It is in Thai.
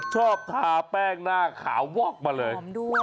ทาแป้งหน้าขาววอกมาเลย